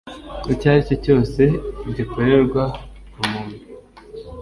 icyo ari cyo cyose gikorerwa umuntu